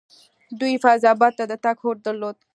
دوی فیض اباد ته د تګ هوډ درلودل.